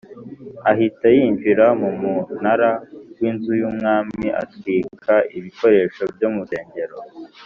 ahita yinjira mu munara w inzu y umwami atwika ibikoresho byo murusengero